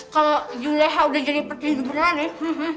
kalau juleha udah jadi petinju beneran nih